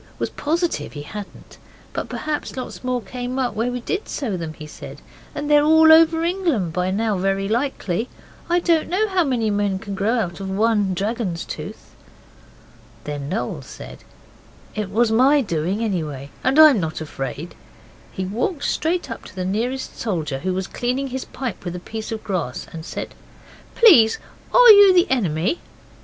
was positive he hadn't. 'But perhaps lots more came up where we did sow them,' he said; 'they're all over England by now very likely. I don't know how many men can grow out of one dragon's tooth.' Then Noel said, 'It was my doing anyhow, and I'm not afraid,' and he walked straight up to the nearest soldier, who was cleaning his pipe with a piece of grass, and said 'Please, are you the enemy?